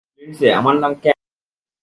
Lindsay, আমার নাম ক্যাম।